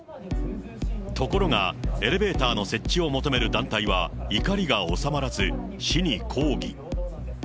ところが、エレベーターの設置を求める団体は怒りが収まらず、市に抗議。